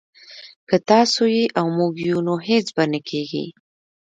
که تاسو يئ او موږ يو نو هيڅ به نه کېږي